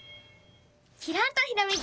きらんとひらめき！